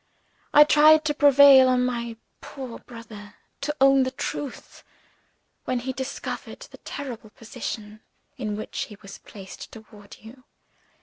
I tried to prevail on my poor brother to own the truth, when he discovered the terrible position in which he was placed toward you.